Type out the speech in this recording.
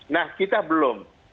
nah kita belum